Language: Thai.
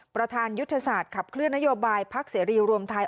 ประธานยุทธศาสตร์ขับเคลื่อนนโยบายพักเสรีรวมไทย